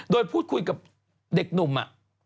โดยพูดคุยกับเด็กหนุ่ม